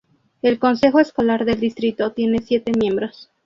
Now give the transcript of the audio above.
El consejo escolar del distrito tiene siete miembros.